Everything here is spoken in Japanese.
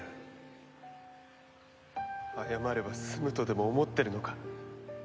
謝れば済むとでも思ってるのか？